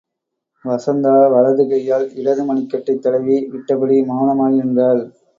வசந்தா வலது கையால் இடது மணிக்கட்டைத் தடவி விட்டபடி மெளனமாகி நின்றாள்.